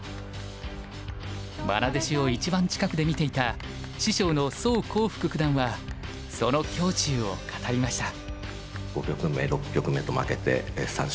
まな弟子を一番近くで見ていた師匠の宋光復九段はその胸中を語りました。